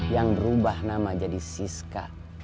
yang berubah nama jadi siska